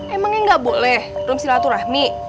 emangnya gak boleh rom istirahaturahmi